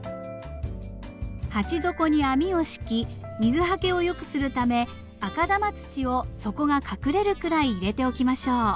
鉢底に網を敷き水はけを良くするため赤玉土を底が隠れるくらい入れておきましょう。